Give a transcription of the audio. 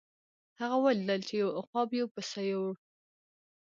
هغه ولیدل چې یو عقاب یو پسه یووړ.